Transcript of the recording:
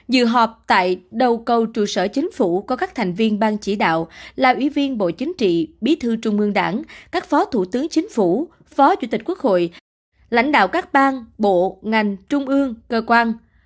dự họp tại đầu cầu trụ sở chính phủ có các thành viên ban chỉ đạo là ủy viên bộ chính trị bí thư trung ương đảng các phó thủ tướng chính phủ phó chủ tịch quốc hội lãnh đạo các bang bộ ngành trung ương cơ quan